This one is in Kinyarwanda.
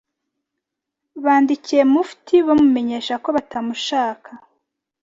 bandikiye Mufti bamumenyesha ko batamushaka